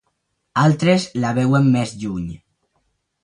Altres, la veuen més lluny.